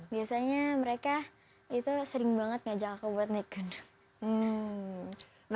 biasanya mereka itu sering banget ngajak aku buat naik gunung